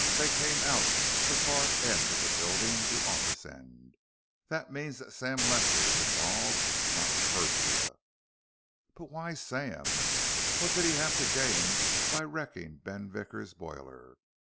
They came out of the far end of the building, the office end. That means that Sam Lester is involved, not Persia. But why Sam? What did he have to gain by wrecking Ben Vickers' boiler?